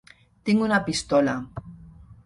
Tinc una pistola.